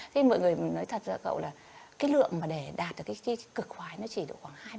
thế mọi người nói thật ra cậu là cái lượng mà để đạt được cái cực khói nó chỉ được khoảng hai mươi